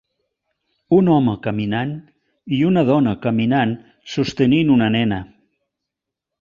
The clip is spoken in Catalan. un home caminant i una dona caminant sostenint una nena